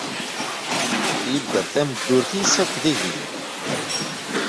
Yedder tameddurt-is akk d igellil.